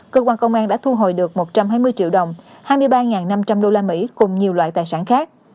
cơ quan công an đã thu hồi được một trăm hai mươi triệu đồng hai mươi ba năm trăm linh đô la mỹ cùng nhiều loại tài sản khác